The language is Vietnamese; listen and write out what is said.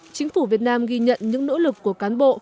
chính phủ việt nam ghi nhận những nỗ lực của cán bộ